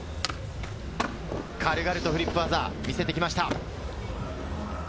軽々とフリップ技、見せてきました。